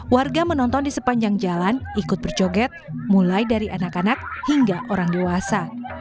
warga menonton di sepanjang jalan ikut berjoget mulai dari anak anak hingga orang dewasa